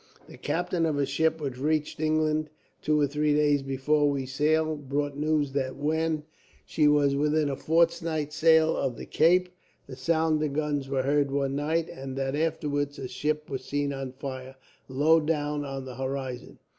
"The captain of a ship which reached England, two or three days before we sailed, brought news that when she was within a fortnight's sail of the Cape, the sound of guns was heard one night, and that afterwards a ship was seen on fire, low down on the horizon.